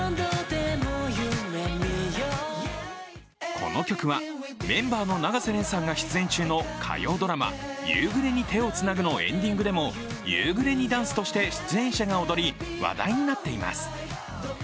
この曲はメンバーの永瀬廉さんが出演中の火曜ドラマ「夕暮れに、手をつなぐ」のエンディングでも夕暮れにダンスとして出演者が踊り、話題になっています。